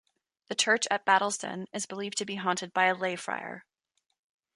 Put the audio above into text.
The church at Battlesden is believed to be haunted by a lay friar.